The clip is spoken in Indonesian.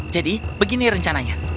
jadi begini rencananya